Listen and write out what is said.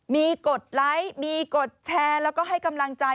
มีกดไลค์มีกดแชร์แล้วก็ให้กำลังใจ